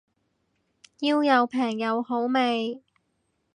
要又平又好味